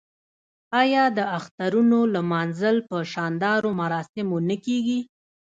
آیا د اخترونو لمانځل په شاندارو مراسمو نه کیږي؟